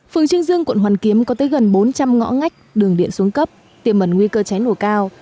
phường trương dương quận hoàn kiếm có tới gần bốn trăm linh ngõ ngách đường điện xuống cấp tiềm ẩn nguy cơ cháy nổ cao